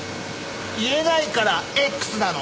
言えないから「Ｘ」なの。